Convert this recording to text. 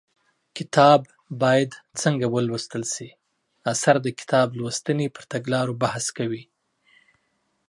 کتاب باید څنګه ولوستل شي اثر د کتاب لوستنې پر تګلارو بحث کوي